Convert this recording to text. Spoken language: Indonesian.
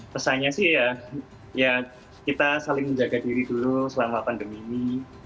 pesannya sih ya kita saling menjaga diri dulu selama pandemi ini